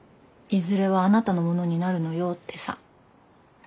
「いずれはあなたのものになるのよ」ってさ。